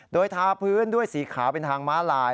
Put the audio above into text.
โดยทาพื้นด้วยสีขาวเป็นทางม้าลาย